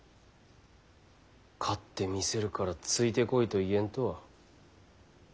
「勝ってみせるからついてこい」と言えんとは。